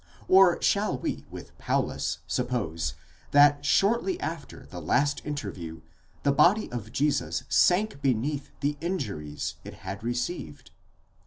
Or shall we with Paulus suppose, that shortly after the last interview the body of Jesus sank beneath the injuries it had received?